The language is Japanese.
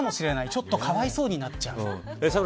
ちょっとかわいそうになっちゃう。